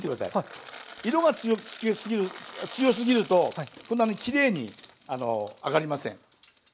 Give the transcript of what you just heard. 色が強すぎるとこんなにきれいに揚がりません。